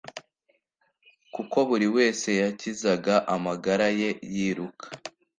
kuko buri wese yakizaga amagara ye yiruka